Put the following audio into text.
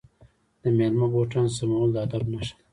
د میلمه بوټان سمول د ادب نښه ده.